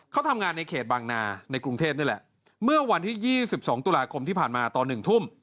เขาทำงานในเขตบางนาในกรุงเทพนี่แหละเมื่อวันที่๒๒ตุลาคมที่ผ่านมาตอน๑ทุ่ม